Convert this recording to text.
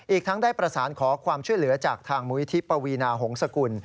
อีกทั้งได้ประสานขอความช่วยเหลือจากทางมูลิธิปวีนาหงษกุล